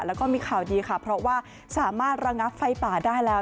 แล้วก็มีข่าวดีค่ะเพราะว่าสามารถระงับไฟป่าได้แล้ว